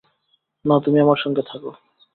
না, তুমি আমার সঙ্গে থাকো।